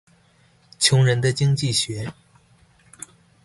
窮人的經濟學